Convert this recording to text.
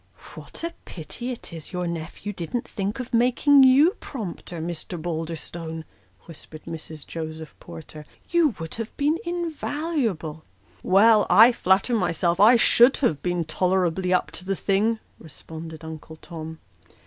" What a pity it is your nephew didn't think of making you prompter, Mr. Balderstone !" whispered Mrs. Joseph Porter ;" you would have been invaluable." "Well, I flatter myself, I should have been tolerably up to the thing," responded Uncle Tom.